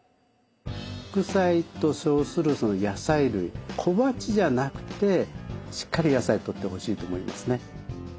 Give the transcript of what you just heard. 副菜と称する野菜類小鉢じゃなくてしっかり野菜とってほしいと思いますね。